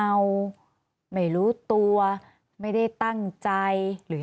แต่ได้ยินจากคนอื่นแต่ได้ยินจากคนอื่น